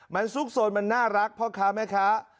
มันซุกโซนมันน่ารักพ่อค้าแม่ค้า